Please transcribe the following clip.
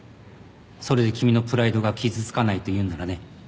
それで君のプライドが傷つかないというんならね。